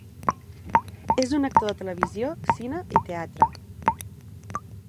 És un actor de televisió, cine i teatre.